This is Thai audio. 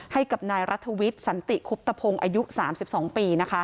ให้กับนายรัฐวิทย์สันติคุบตะพงศ์อายุ๓๒ปี